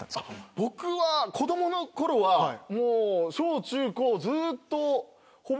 僕は子供の頃は小中高ずっと。